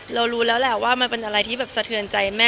รู้แล้วแหละว่ามันเป็นอะไรที่แบบสะเทือนใจแม่